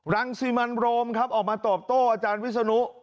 รังสิมันโรมครับออกมาตอบโต้อาจารย์วิศนุ